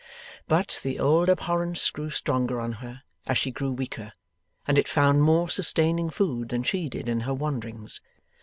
But, the old abhorrence grew stronger on her as she grew weaker, and it found more sustaining food than she did in her wanderings.